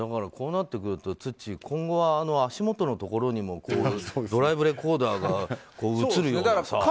こうなってくるとツッチー今後は足元のところにもドライブレコーダーが映るようにさ。